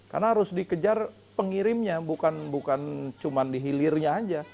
karena harus dikejar pengirimnya bukan cuma dihilirnya aja